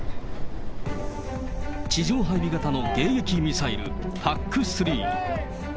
地上配備型の迎撃ミサイル、ＰＡＣ３。